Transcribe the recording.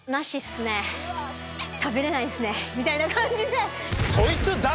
みたいな感じで。